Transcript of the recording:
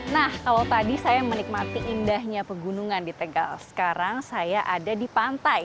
nah kalau tadi saya menikmati indahnya pegunungan di tegal sekarang saya ada di pantai